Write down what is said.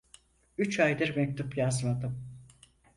Üç aydır mektup yazmadım!